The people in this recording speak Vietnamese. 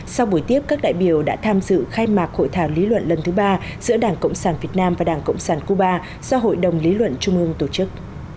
sau buổi tiếp các đại biểu đã tham dự khai mạc hội thảo lý luận lần thứ ba giữa đảng cộng sản việt nam và đảng cộng sản cuba do hội đồng lý luận trung ương tổ chức